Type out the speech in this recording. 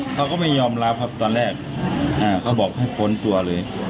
เขาก็ไม่ยอมรับครับตอนแรกเขาบอกให้พ้นตัวเลย